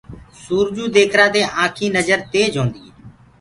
سورجو ديکرآ دي آنٚکينٚ نجر تيج هونٚدي هي